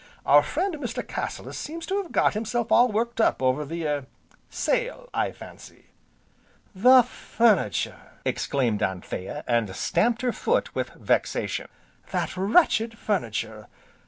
Our friend Mr. Cassilis seems to have got himself all worked up over the er sale, I fancy " "The furniture!" exclaimed Anthea, and stamped her foot with vexation. "That wretched furniture!